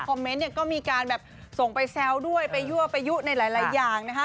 เมนต์เนี่ยก็มีการแบบส่งไปแซวด้วยไปยั่วไปยุในหลายอย่างนะคะ